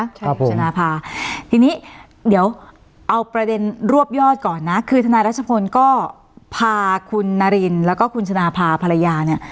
ใช่คุณชนะภาทีนี้เดี๋ยวเอาประเด็นรวบยอดก่อนนะคือทนายรัชพลก็พาคุณนารินแล้วก็คุณชนะพาภรรยาเนี่ย